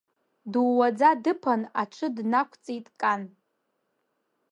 Дууаӡа дыԥан аҽы днақәҵит Кан.